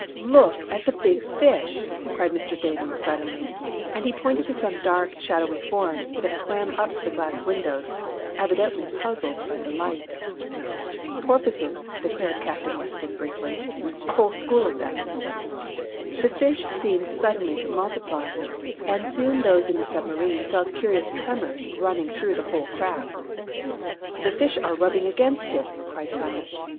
"Look at the big fish!" cried Mr. Damon suddenly, and he pointed to some dark, shadowy forms that swam up to the glass windows, evidently puzzled by the light. "Porpoises," declared Captain Weston briefly, "a whole school of them." The fish seemed suddenly to multiply, and soon those in the submarine felt curious tremors running through the whole craft. "The fish are rubbing up against it," cried Tom.